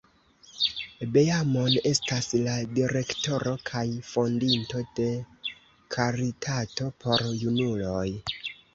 Beamon estas la direktoro kaj fondinto de karitato por junuloj.